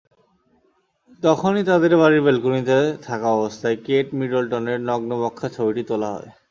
তখনই তাঁদের বাড়ির ব্যালকনিতে থাকা অবস্থায় কেট মিডলটনের নগ্ন-বক্ষা ছবিটি তোলা হয়।